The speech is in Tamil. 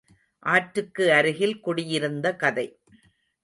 ஆற்றுக்கு அருகில் குடியிருந்த கதை.